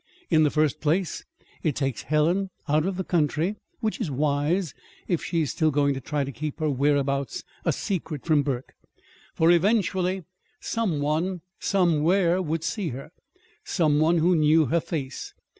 In the first place, it takes Helen out of the country which is wise, if she's still going to try to keep her whereabouts a secret from Burke; for eventually some one, somewhere, would see her some one who knew her face.